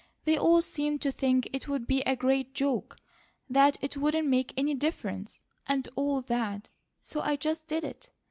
They all seemed to think it would be a great joke, that it wouldn't make any difference, and all that, so I just did it.